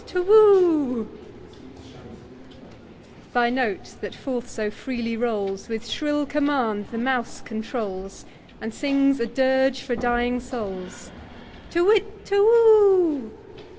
Thy note, that forth so freely rolls, With shrill command the mouse controls, And sings a dirge for dying souls, Te whit, te whoo